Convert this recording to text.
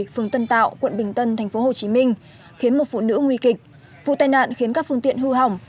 phường tân tạo quận bình tân tp hcm khiến một phụ nữ nguy kịch vụ tai nạn khiến các phương tiện hư hỏng